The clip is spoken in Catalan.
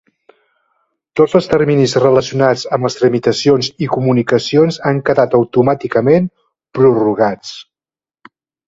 Tots els terminis relacionats amb les tramitacions i comunicacions han quedat automàticament prorrogats.